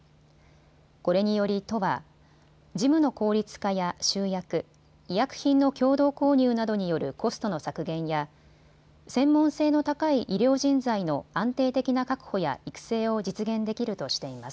これにより都は事務の効率化や集約、医薬品の共同購入などによるコストの削減や専門性の高い医療人材の安定的な確保や育成を実現できるとしています。